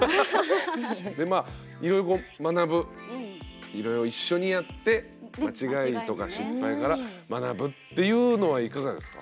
でまあいろいろこう学ぶいろいろ一緒にやって間違いとか失敗から学ぶっていうのはいかがですか？